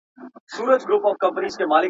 مقام ته د انسان رسيدل یې بنسټیز هدف وو. له